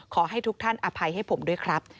ขอให้ทุกท่านอภัยให้ผมด้วยครับ